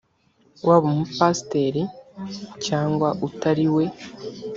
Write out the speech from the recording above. waba umupasiteri cyangwa utari we